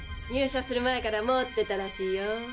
入社する前から持ってたらしいよ。